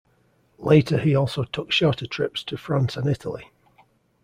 Later he also took shorter trips to France and Italy.